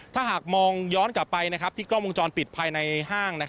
ถ้าหากมองย้อนกลับไปที่กล้องวงจรปิดภายในห้าง